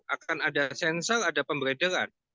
akan ada sensor ada pemberedaran